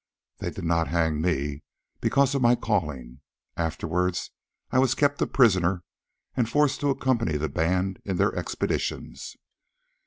They did not hang me, because of my calling. Afterwards I was kept a prisoner and forced to accompany the band in their expeditions.